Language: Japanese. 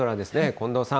近藤さん。